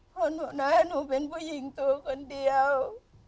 เพราะหนูนะหนูเป็นผู้หญิงตัวคนเดียว